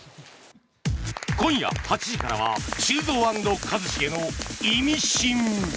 今夜８時からは「修造＆一茂のイミシン」。